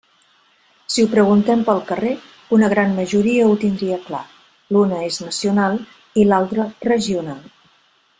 Si ho preguntem pel carrer, una gran majoria ho tindria clar: l'una és nacional i l'altra regional.